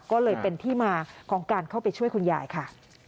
ก็เลยเป็นที่มาของการเข้าไปช่วยคุณยายค่ะ